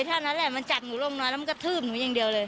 เท่านั้นแหละมันจับหนูลงน้อยแล้วมันกระทืบหนูอย่างเดียวเลย